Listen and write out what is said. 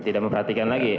tidak memperhatikan lagi